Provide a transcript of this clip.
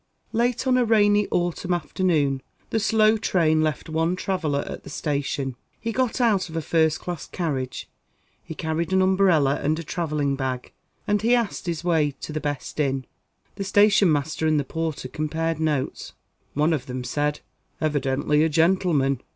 Late on a rainy autumn afternoon, the slow train left one traveller at the Station. He got out of a first class carriage; he carried an umbrella and a travelling bag; and he asked his way to the best inn. The station master and the porter compared notes. One of them said: "Evidently a gentleman."